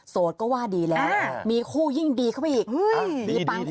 ก็ว่าดีแล้วมีคู่ยิ่งดีเข้าไปอีกมีปัง